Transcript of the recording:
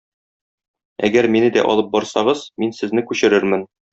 Әгәр мине дә алып барсагыз, мин сезне күчерермен.